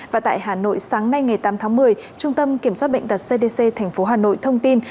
và tại hà nội sáng nay ngày tám tháng một mươi trung tâm kiểm soát bệnh tật cdc tp hà nội thông tin